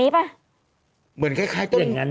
ใบแฉกอย่างนี้ไหม